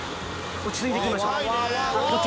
落ち着いて行きましょう。